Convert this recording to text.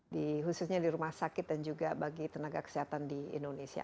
di khususnya di rumah sakit dan juga bagi tenaga kesehatan di indonesia